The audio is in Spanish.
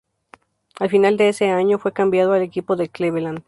Al final de ese año fue cambiado al equipo de Cleveland.